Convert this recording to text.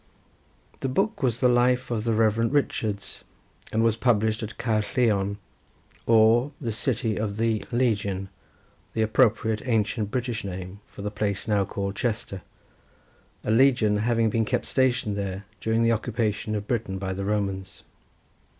The book was the life of the Rev. Richards, and was published at Caerlleon, or the city of the legion, the appropriate ancient British name for the place now called Chester, a legion having been kept stationed there during the occupation of Britain by the Romans.